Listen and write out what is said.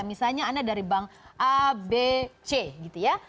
misalnya anda dari bank a b c gitu ya